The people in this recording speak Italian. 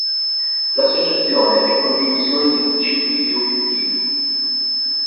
L'Associazione è condivisione di principi e obiettivi.